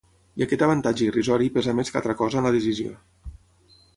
I aquest avantatge irrisori pesà més que altra cosa en la decisió.